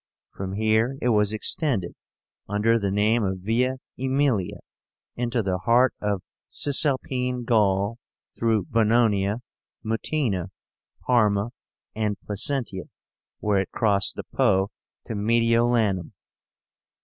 From here it was extended, under the name of VIA AEMILIA, into the heart of Cisalpine Gaul, through Bononia, Mutina, Parma, and Placentia, where it crossed the Po, to Mediolánum.